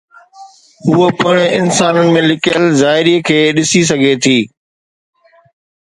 هوء پڻ انسانن ۾ لڪيل ظاهري کي ڏسي سگهي ٿي